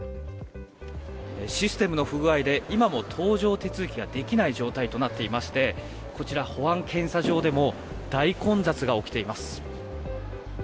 システムの不具合で今も搭乗手続きができない状態となっていまして保安検査場でも大混雑が起きています。